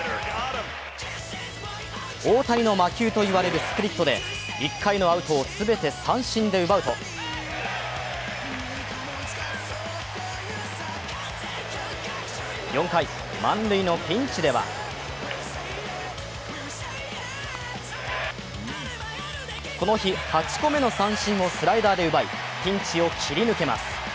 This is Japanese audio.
大谷の魔球と言われるスプリットで１回のアウトを全て三振で奪うと４回、満塁のピンチではこの日８個目の三振をスライダーで奪い、ピンチを切り抜けます。